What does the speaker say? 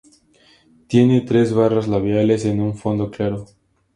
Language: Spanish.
Tiene tres barras labiales en un fondo claro.